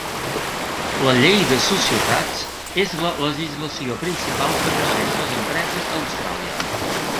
La Llei de societats és la legislació principal que regeix les empreses a Austràlia.